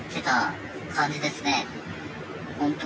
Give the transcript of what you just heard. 本当